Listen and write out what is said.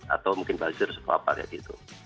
atau mungkin buzzer atau apa kayak gitu